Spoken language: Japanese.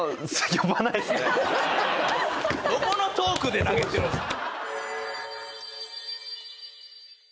どこのトークで投げてるんすか。